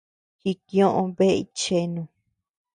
Jikioʼö bea itcheanu.